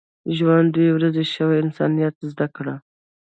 ژوند دوه ورځې شي، انسانیت زده کړه.